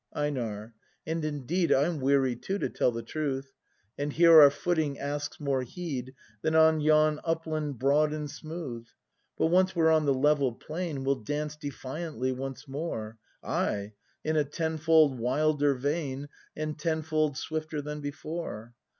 EiNAB. And indeed I'm weary too, to tell the truth, — And here our footing asks more heed Than on yon upland broad and smooth. But once we're on the level plain We'll dance defiantly once more, Ay, in a tenfold wilder vein And tenfold swifter than before.